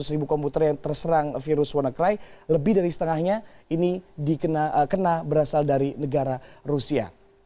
seratus ribu komputer yang terserang virus wannacry lebih dari setengahnya ini dikena berasal dari negara rusia